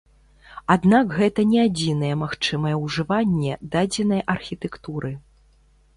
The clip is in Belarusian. Аднак гэта не адзінае магчымае ужыванне дадзенай архітэктуры.